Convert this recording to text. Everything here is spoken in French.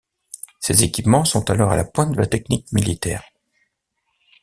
Ses équipements sont alors à la pointe de la technique militaire.